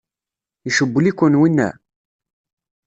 Icewwel-iken winna?